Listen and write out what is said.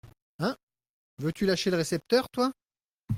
Hein ? veux-tu lâcher le récepteur, toi ?